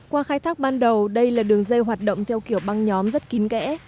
qua khai thác ban đầu đây là đường dây hoạt động theo kiểu băng nhóm rất kín kẽ